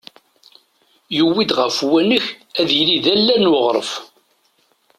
tuwi-d ɣef uwanek ad yili d allal n uɣref.